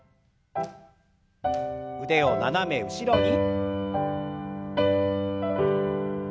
腕を斜め後ろに。